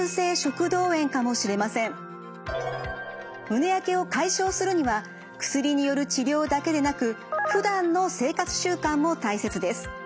胸やけを解消するには薬による治療だけでなくふだんの生活習慣も大切です。